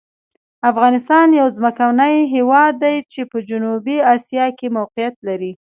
افغانستان یو ځمکني هېواد دی چې په جنوبي آسیا کې موقعیت لري.